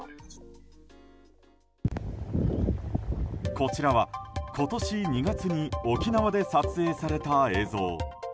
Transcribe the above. こちらは今年２月に沖縄で撮影された映像。